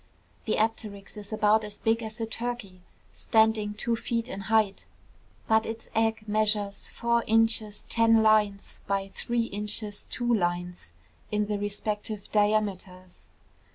The apteryx is about as big as a turkey, standing two feet in height; but its egg measures four inches ten lines by three inches two lines in the respective diameters.